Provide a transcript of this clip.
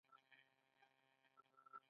نعناع څه بوی لري؟